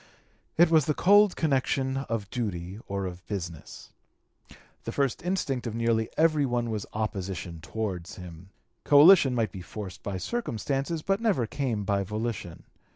It was the cold connection of duty or of business. The first instinct of nearly every one was opposition towards him; coalition might be forced by circumstances but never came by volition.